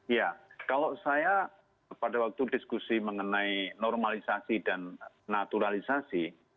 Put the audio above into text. ya kalau saya pada waktu diskusi mengenai normalisasi dan naturalisasi